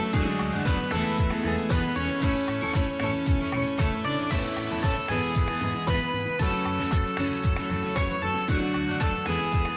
สวัสดีครับ